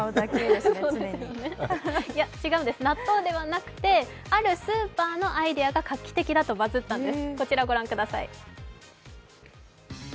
納豆ではなくて、あるスーパーのアイデアが画期的だとバズったんです。